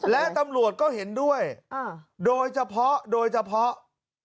และตำรวจก็เห็นด้วยโดยเฉพาะโดยเฉพาะ